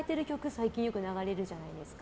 最近よく流れるじゃないですか。